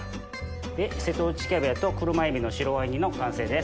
瀬戸内キャビアと車エビの白ワイン煮の完成です。